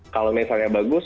kalau misalnya bagus